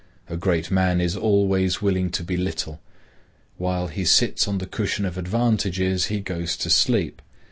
A great man is always willing to be little. Whilst he sits on the cushion of advantages, he goes to sleep.